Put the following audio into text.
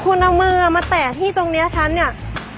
คุณเอามือมาแตะที่ตรงนี้ฉันเนี่ย